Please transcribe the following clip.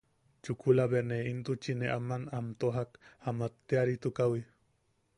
Chukula bea ne intuchi ne aman am tojak am atteʼaritukaʼawi.